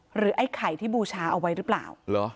หรือไอ้ไข่ที่บูชาเอาไว้รึเปล่า